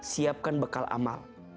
siapkan bekal amal